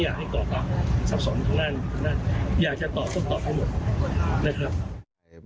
อยากจะตอบต้องตอบให้หมดนะครับ